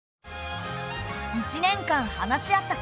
１年間話し合った結果